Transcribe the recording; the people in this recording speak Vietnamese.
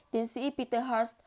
tiến sĩ peter horst